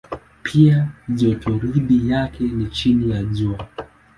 Pia jotoridi yake ni chini ya Jua.